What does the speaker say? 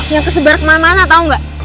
yang tersebar kemana mana tau gak